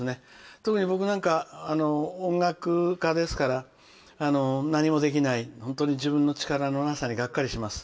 特に僕なんか、音楽家ですから何もできない本当に自分の力のなさにがっかりします。